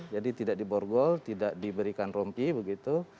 jadi tidak di borgol tidak diberikan rompi begitu